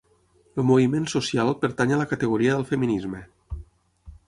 El moviment social pertany a la categoria del feminisme.